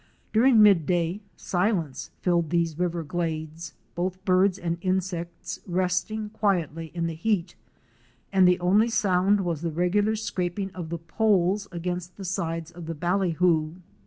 During midday, silence filled these river glades, both birds and insects resting quietly in the heat, and the only sound was the regular scraping of the poles against the sides of the ballyhoo.